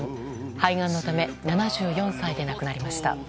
肺がんのため７４歳で亡くなりました。